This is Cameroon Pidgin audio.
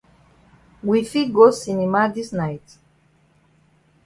We fit go cinema dis night?